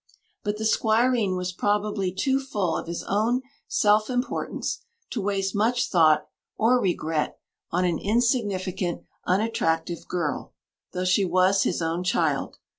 But the squireen was probably too full of his own self importance to waste much thought or regret on an insignificant, unattractive girl, though she was his own child.